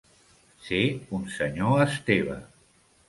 Ser un senyor Esteve.